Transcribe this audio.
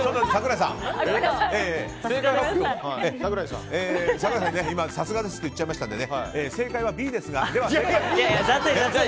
櫻井さん、さすがですって言っちゃいましたので正解はＢですが。